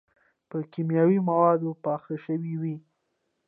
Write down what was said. پۀ کيماوي موادو پاخۀ شوي وي